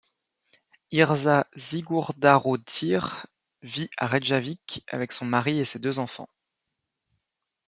Yrsa Sigurðardóttir vit à Reykjavik avec son mari et ses deux enfants.